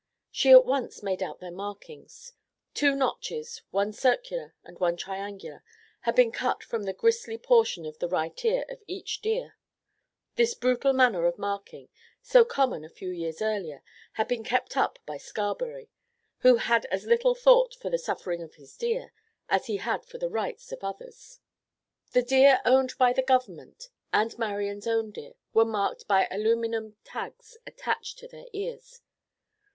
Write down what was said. She at once made out their markings. Two notches, one circular and one triangular, had been cut from the gristly portion of the right ear of each deer. This brutal manner of marking, so common a few years earlier, had been kept up by Scarberry, who had as little thought for the suffering of his deer as he had for the rights of others. The deer owned by the Government, and Marian's own deer, were marked by aluminum tags attached to their ears.